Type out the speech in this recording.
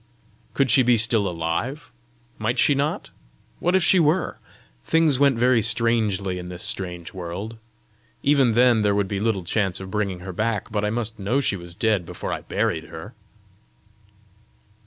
Could she be still alive? Might she not? What if she were! Things went very strangely in this strange world! Even then there would be little chance of bringing her back, but I must know she was dead before I buried her!